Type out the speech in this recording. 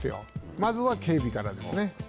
まずは警備からですね。